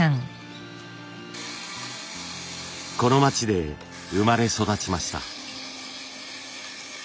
この町で生まれ育ちました。